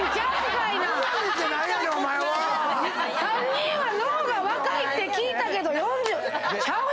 ３人は脳が若いって聞いたけどちゃうやん！